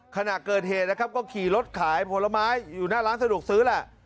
ขณะเกิดเหตุนะครับก็ขี่รถขายผลไม้อยู่หน้าร้านสะดวกซื้อแหละ